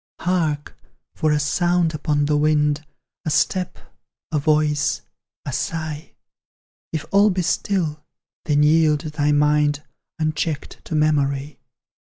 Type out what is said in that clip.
Hark! for a sound upon the wind, A step, a voice, a sigh; If all be still, then yield thy mind, Unchecked, to memory.